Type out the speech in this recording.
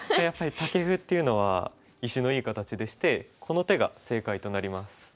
やっぱりタケフっていうのは石のいい形でしてこの手が正解となります。